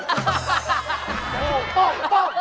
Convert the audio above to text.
โป้ง